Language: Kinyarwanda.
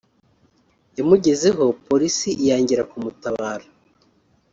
yamugezeho Polisi iyangira kumutabara